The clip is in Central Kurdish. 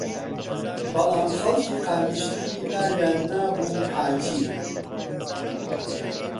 بەڵام خەڵکی قامیشلی ناویان نابووم حاجی